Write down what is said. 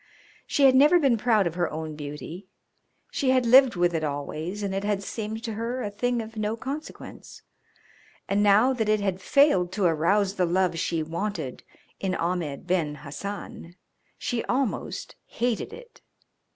She had never been proud of her own beauty; she had lived with it always and it had seemed to her a thing of no consequence, and now that it had failed to arouse the love she wanted in Ahmed Ben Hassan she almost hated it.